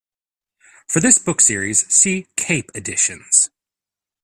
For this book series, see Cape Editions.